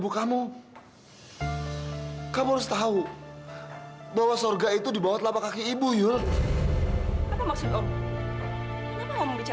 sampai jumpa di video selanjutnya